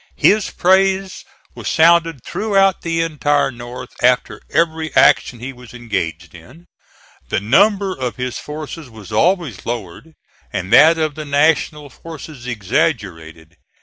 His praise was sounded throughout the entire North after every action he was engaged in: the number of his forces was always lowered and that of the National forces exaggerated.